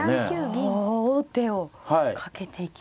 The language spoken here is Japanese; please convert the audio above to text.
お王手をかけていきました。